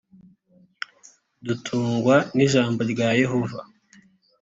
dutungwa n’ijambo rya yehova